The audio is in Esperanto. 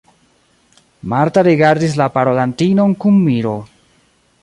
Marta rigardis la parolantinon kun miro.